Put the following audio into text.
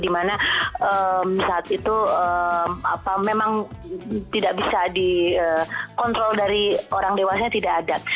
dimana saat itu memang tidak bisa dikontrol dari orang dewasanya tidak ada